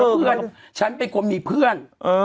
เพื่อนฉันเป็นคนมีเพื่อน